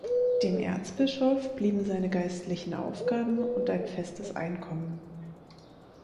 Dem Erzbischof blieben seine geistlichen Aufgaben und ein festes Einkommen.